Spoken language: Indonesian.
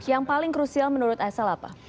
yang paling crucial menurut asl apa